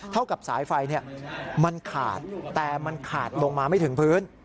เท่ากับสายไฟมันขาดแต่มันขาดลงมาไม่ถึงพื้น